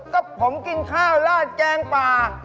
ก็ผมกินข้าวลาดแกงป่า